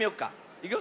いくよ。